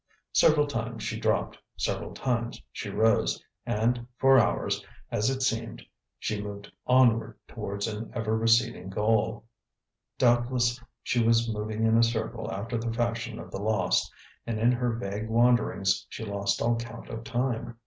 Several times she dropped, several times she rose, and for hours, as it seemed, she moved onward towards an ever receding goal. Doubtless she was moving in a circle after the fashion of the lost, and in her vague wanderings she lost all count of time.